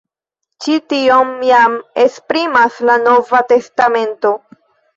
Ĉi tion jam esprimas la Nova Testamento.